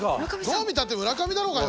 どう見たって村上だろうがよ！